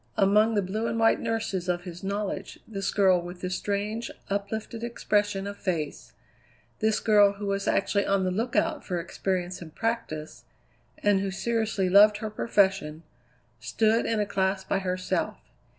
Among the blue and white nurses of his knowledge this girl with the strange, uplifted expression of face; this girl who was actually on the lookout for experience and practice, and who seriously loved her profession, stood in a class by herself.